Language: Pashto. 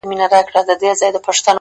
خو يو ځل بيا وسجدې ته ټيټ سو؛